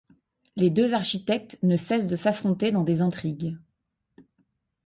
Les deux architectes ne cessent de s'affronter dans des intrigues.